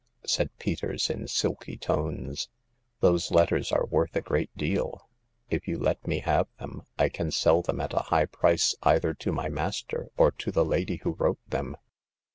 said Peters, in silky tones ;" those letters are worth a great deal. If you let me have them, I can sell them at a high price either to my master or to the lady who wrote them."